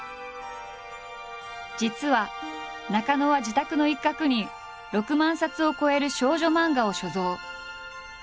実は中野は自宅の一角に６万冊を超える少女漫画を所蔵。